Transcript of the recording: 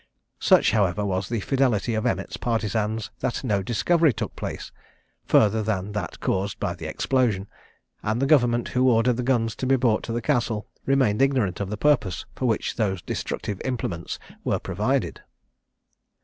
Such, however, was the fidelity of Emmet's partisans, that no discovery took place, further than that caused by the explosion; and the government, who ordered the guns to be brought to the Castle, remained ignorant of the purpose for which those destructive implements were provided.